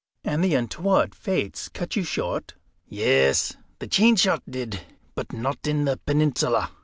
'" "And the untoward Fates cut you short?" "Yes, the chain shot did, but not in the Peninsula.